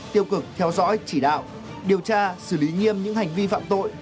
tiêu cực theo dõi chỉ đạo điều tra xử lý nghiêm những hành vi phạm tội